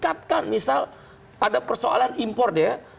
ada persoalan impor dia